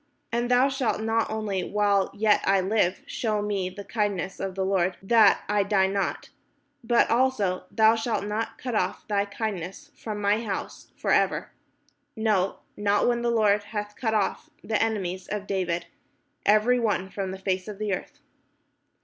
And thou shalt not only while yet I live shew me the kindness of the Lord, that I die not: but also thou shalt not cut off thy kindness from my house for ever : no, not when the Lord hath cut off the enemies of David every one from the face of the earth."